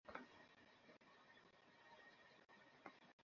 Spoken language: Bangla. এই বর্শার আঘাতেই সে হযরত হামযা রাযিয়াল্লাহু আনহু-কে কাপুরুষোচিতভাবে হত্যা করে।